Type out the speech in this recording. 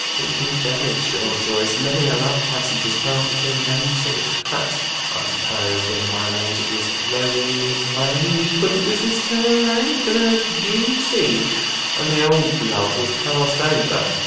Be you very sure, Joyce, many a love passage had passed between them two; but I suppose when my lady was thrown in his way he couldn't resist her rank and her beauty, and the old love was cast over.